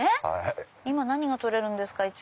今何が取れるんですか？